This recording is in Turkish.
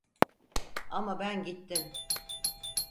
Ama ben gittim…